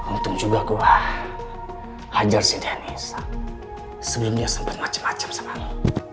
untung juga gua hajar si dennis sebelumnya sempet macem macem sama lu